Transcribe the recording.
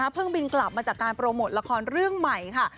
บินกลับมาจากการโปรโมทละครเรื่องใหม่ค่ะ